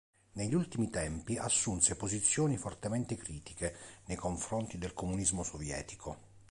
Negli ultimi tempi assunse posizioni fortemente critiche nei confronti del comunismo sovietico.